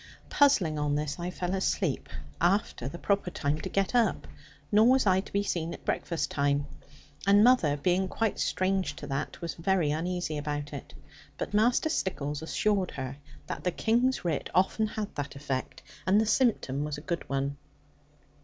Puzzling on this, I fell asleep, after the proper time to get up; nor was I to be seen at breakfast time; and mother (being quite strange to that) was very uneasy about it. But Master Stickles assured her that the King's writ often had that effect, and the symptom was a good one.